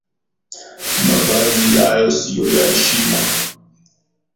Mavazi hayo sio ya heshima